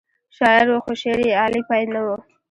شاعر و خو شعر یې اعلی پای نه و.